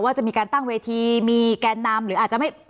ว่าจะมีการตั้งเวทีมีแกนนำหรืออาจจะไม่